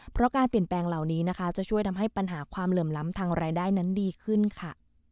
เพราะการเปลี่ยนแปลงเหล่านี้นะคะจะช่วยทำให้ปัญหาความเหลื่อมล้ำทางรายได้นั้นดีขึ้นค่ะ